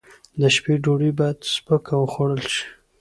د شپې ډوډۍ باید سپکه وخوړل شي.